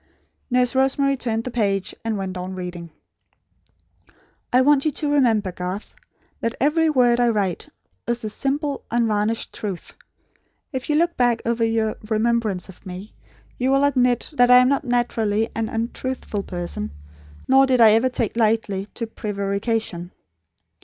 Nurse Rosemary turned the page, and went on reading. "I want you to remember, Garth, that every word I write, is the simple unvarnished truth. If you look back over your remembrance of me, you will admit that I am not naturally an untruthful person, nor did I ever take easily to prevarication.